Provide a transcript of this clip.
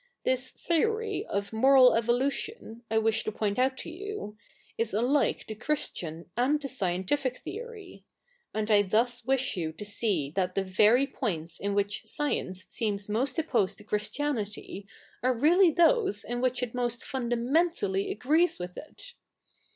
This theory of ??ioral evolution, I wish to point out to you, is alike the Christian a?id the scientific theoTj ; and I thus wish you to see that the very poifits i?i which science seems ??iost opposed to Christianity are really those i?i which it most fundaf?ientally agrees with it.